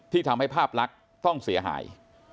ทำให้ภาพลักษณ์ต้องเสียหาย